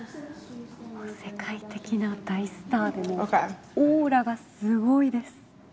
世界的な大スターのオーラがすごいです。